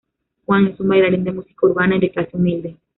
Juan es un bailarín de música urbana y de clase humilde.